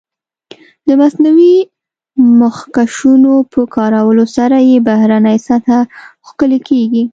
د مصنوعي مخکشونو په کارولو سره یې بهرنۍ سطح ښکلې کېږي.